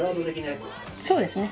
そうですね。